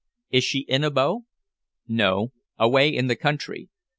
"Is she in Abo?" "No. Away in the country.